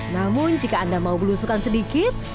namun jika anda mau belusukan sedikit